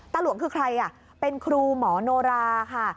หลวงคือใครเป็นครูหมอโนราค่ะ